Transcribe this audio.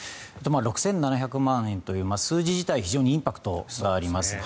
６７００万円という数字自体に非常にインパクトがあります。